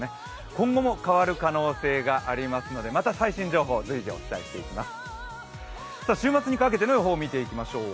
今後も変わる可能性がありますのでまた最新情報を随時、お伝えしてまいります。